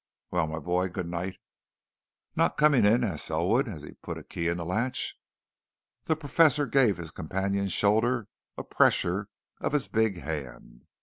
Um! Well, my boy, good night!" "Not coming in?" asked Selwood, as he put a key in the latch. The Professor gave his companion's shoulder a pressure of his big hand.